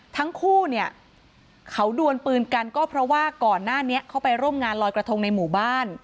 ทั้งคู่เนี่ยเขาดวนปืนกันก็เพราะว่าก่อนหน้านี้เขาไปร่วมงานลอยกระทงในหมู่บ้าน